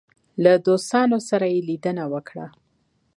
له دوستانو سره یې لیدنه وکړه.